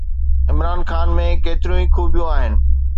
عمران خان ۾ ڪيتريون ئي خوبيون آهن.